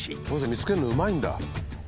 この人見つけるのうまいんだ。